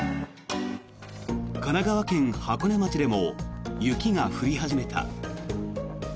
神奈川県箱根町でも雪が降り始めた。